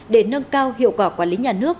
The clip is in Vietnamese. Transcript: để nâng cao hiệu quả quản lý nhà nước